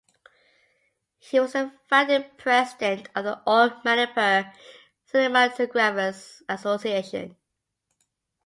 He was the founding president of the All Manipur Cinematographers Association.